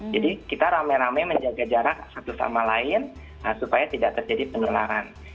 jadi kita rame rame menjaga jarak satu sama lain supaya tidak terjadi penularan